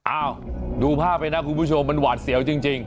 อ้าวดูภาพไปนะคุณผู้ชมมันหวาดเสียวจริง